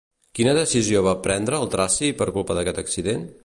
Quina decisió va prendre el traci per culpa d'aquest accident?